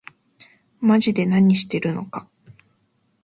まぢで何してるのか